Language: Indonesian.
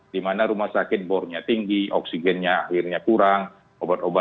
di mana rumah sakit bornya tinggi oksigennya akhirnya kurang obat obatan